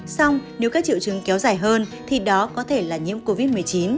xong nếu các triệu chứng kéo dài hơn thì đó có thể là nhiễm covid một mươi chín